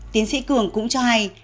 tiến sĩ cường cũng cho hay